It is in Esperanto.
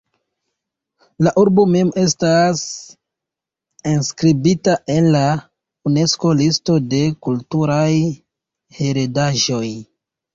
La urbo mem estas enskribita en la Unesko-listo de kulturaj heredaĵoj.